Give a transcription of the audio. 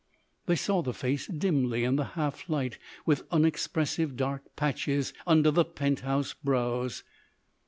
They saw the face dimly in the half light, with unexpressive dark patches under the penthouse brows.